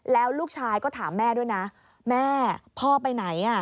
แล้วลูกชายก็ถามแม่ด้วยนะแม่พ่อไปไหน